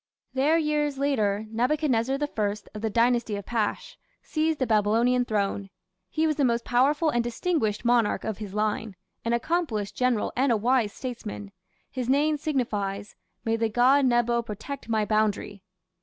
There years later Nebuchadrezzar I, of the Dynasty of Pashe, seized the Babylonian throne. He was the most powerful and distinguished monarch of his line an accomplished general and a wise statesman. His name signifies: "May the god Nebo protect my boundary".